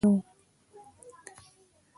په غارونو کې ژوند کول پخوانی و